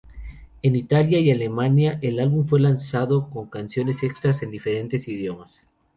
En Italia y Alemania el álbum fue lanzado con canciones extras en diferentes idiomas.